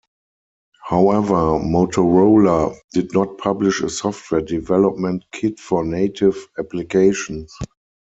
However Motorola did not publish a software development kit for native applications.